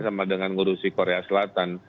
sama dengan ngurusi korea selatan